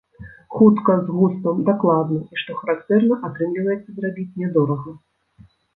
Хутка, з густам, дакладна і што характэрна, атрымліваецца зрабіць нядорага.